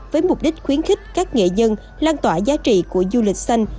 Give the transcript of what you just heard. với mục đích khuyến khích các nghệ dân lan tỏa giá trị của du lịch xanh